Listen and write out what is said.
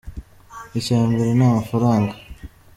icyambere namafaranga